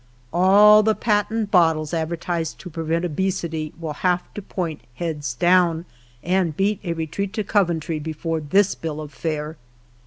All the patent bottles ad vertised to prevent obesity will have to point heads down, and beat a retreat to '' Coventry " before this bill of fare.